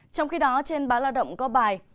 trong khi đó trên báo lao động có bài